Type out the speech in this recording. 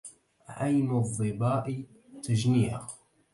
عين الظباء تجنيها